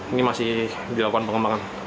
ini masih dilakukan pengembangan